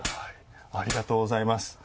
ありがとうございます。